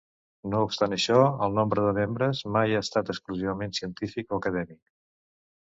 No obstant això, el nombre de membres mai ha estat exclusivament científic o acadèmic.